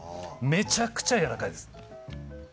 めちゃくちゃやわらかいです。